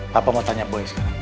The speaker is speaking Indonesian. tapi mau tanya boy sekarang